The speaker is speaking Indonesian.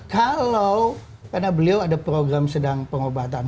kalau karena beliau ada program sedang pengobatan